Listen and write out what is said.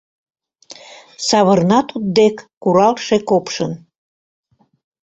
Савырна туддек куралше копшын: